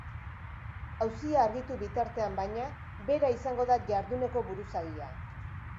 Auzia argitu bitartean, baina, bera izango da jarduneko buruzagia.